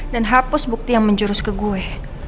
dan hapus bukti yang menjurus ke gue